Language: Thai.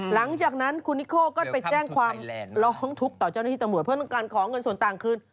หลังจากนั้นคุณนิโคก็ไปแจ้งความร้องทุกข์ต่อเจ้าหน้าที่ตำรวจเพื่อต้องการขอเงินส่วนต่างคืน